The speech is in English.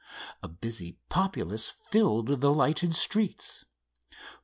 A busy populace filled the lighted streets.